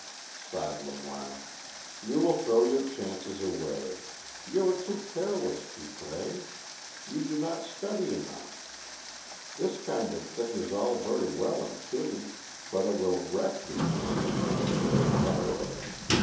sighed Lemoine, "you will throw your chances away. You are too careless, Dupré; you do not study enough. This kind of thing is all very well in Chili, but it will wreck your chances when you go to Paris.